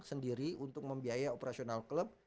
sendiri untuk membiaya operasional klub